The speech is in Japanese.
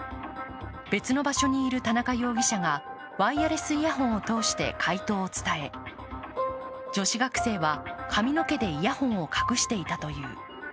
別の場所にいる田中容疑者がワイヤレスイヤホンを通してて解答を伝え女子学生は、髪の毛でイヤホンを隠していたという。